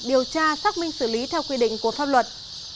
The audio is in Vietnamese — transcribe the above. điều tra xác minh xử lý theo quy định của pháp luật